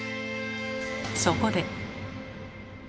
そこで。